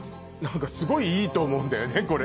すごいいいと思うんだよねこれ。